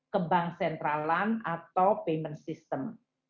kebank sentralan atau payment system